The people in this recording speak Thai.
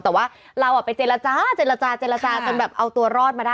แต่ว่าเราไปเจรจาจนไปรอด